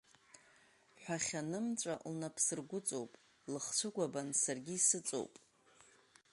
Ҳәахьа нымҵәа лнапсыргәыҵоуп, лыхцәы гәабан саргьы исыҵоуп.